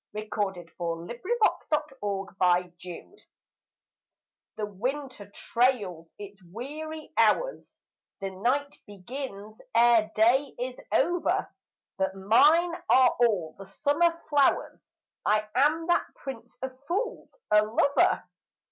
in THE DREAM THAT HAS NO END THE winter trails its weary hours, The night begins ere day is over, But mine are all the summer flowers, I am that prince of fools, a lover.